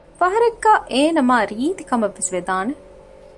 ފަހަރެއްގައި އޭނަ މާ ރީތީ ކަމަށްވެސް ވެދާނެ